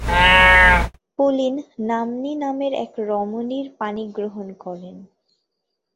Pauline নাম্নী এক রমণীর পাণিগ্রহণ করেন।